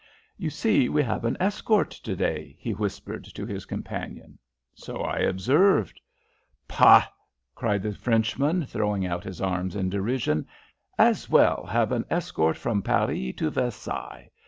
"You see we have an escort to day," he whispered to his companion. "So I observed." "Pah!" cried the Frenchman, throwing out his arms in derision; "as well have an escort from Paris to Versailles.